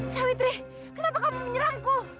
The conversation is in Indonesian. sawitri kenapa kamu menyerangku